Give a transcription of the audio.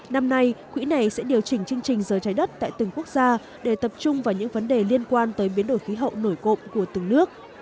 năm nay quỹ này sẽ điều chỉnh chương trình giờ trái đất tại từng quốc gia để tập trung vào những vấn đề liên quan tới biến đổi khí hậu nổi cộng của từng nước